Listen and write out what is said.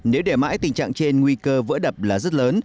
nếu để mãi tình trạng trên nguy cơ vỡ đập là rất lớn